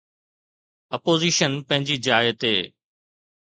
Opposition پنهنجي جاءِ تي.